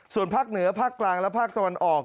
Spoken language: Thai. ส่วนภาคเหนือภาคกลางและภาคตะวันออก